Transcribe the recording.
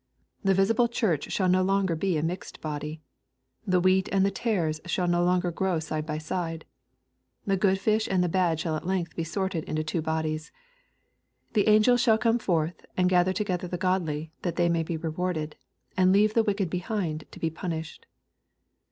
The visible Church shall no longer be a mixed body. The wheat and the tares shall no longer grow side by side. The good fish and the bad shall at length be sorted into two bodies. The angels shall come forth, and gather to gether the godly, that they may be rewarded ; and leave the wicked behind to be punished.